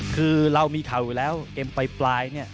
คือเรามีข่าวอยู่แล้วเอ็มปลายเนี่ย